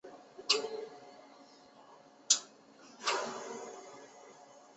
人类博物馆位于巴黎十六区。